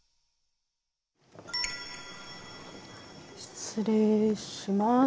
失礼します。